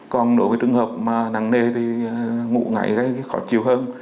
còn đối với trường hợp năng nề thì ngủ ngáy gây khó chịu hơn